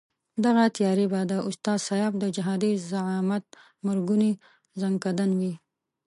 دغه تیاري به د استاد سیاف د جهادي زعامت مرګوني ځنکندن وي.